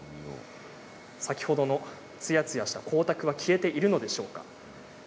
先ほどのつやつやした光沢は消えているのでしょうか。